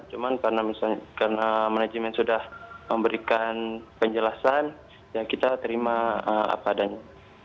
cuma karena manajemen sudah memberikan penjelasan ya kita terima apa adanya